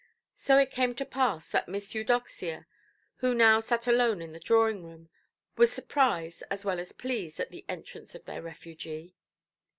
So it came to pass that Miss Eudoxia, who now sat alone in the drawing–room, was surprised as well as pleased at the entrance of their refugee.